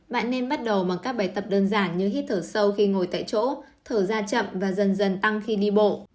bạn nên bắt đầu bằng các bài tập đơn giản như hít thở sâu khi ngồi tại chỗ thở ra chậm và dần dần tăng khi đi bộ